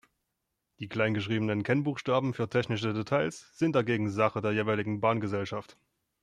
Die klein geschriebenen Kennbuchstaben für technische Details sind dagegen Sache der jeweiligen Bahngesellschaft.